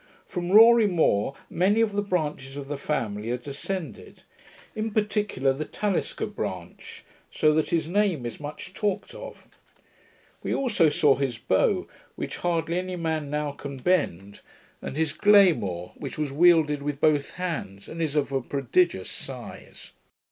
From Rorie More many of the branches of the family are descended; in particular, the Talisker branch; so that his name is much talked of. We also saw his bow, which hardly any man now can bend, and his glaymore, which was wielded with both hands, and is of a prodigious size.